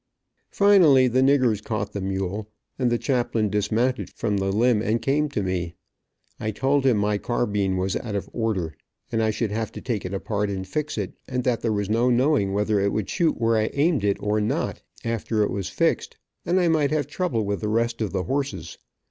Finally the niggers caught the mule and the chaplain dismounted from the limb, and came to me. I told him my carbine was out of order, and I should have to take it apart and fix it, and that there was no knowing whether it would shoot where I aimed it or not, after it was fixed, and I might have trouble with the rest of the horses.